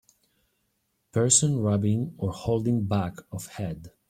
person rubbing or holding back of head